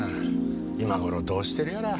今頃どうしてるやら。